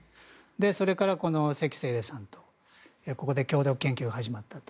それからセキ・セイレイさんとここで共同研究が始まったと。